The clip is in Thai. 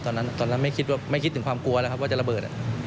ตอนนั้นไม่คิดถึงความกลัวอะไรครับว่าจะระเบิด